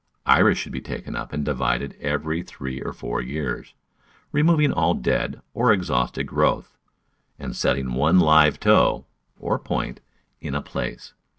Iris should be taken up and divided every three or four years, removing all dead or ex hausted growth, and setting one live toe, or point, in a place.